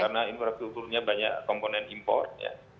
karena infrastrukturnya banyak komponen import